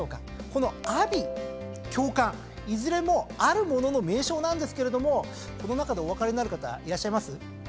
この「阿鼻」「叫喚」いずれもあるものの名称なんですけれどこの中でお分かりになる方いらっしゃいます？